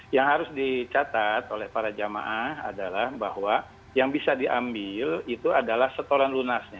yang harus dicatat oleh para jamaah adalah bahwa yang bisa diambil itu adalah setoran lunasnya